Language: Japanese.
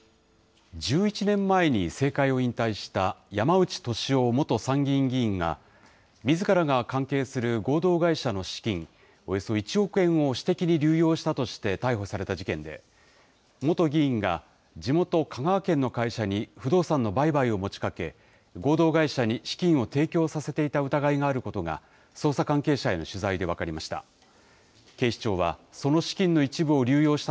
１１年前に政界を引退した山内俊夫元参議院議員が、みずからが関係する合同会社の資金、およそ１億円を私的に流用したとして逮捕された事件で、元議員が地元、香川県の会社に不動産の売買を持ちかけ、合同会社に資金を提供させていた疑いがあることが、捜査関係者への取材で分かりました。